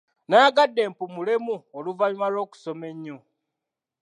Nayagadde mpummulemu oluvanyuma lw'okusoma ennyo.